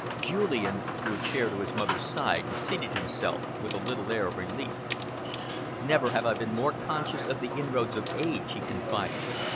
Julian drew a chair to his mother's side and seated himself with a little air of relief. "Never have I been more conscious of the inroads of age," he confided.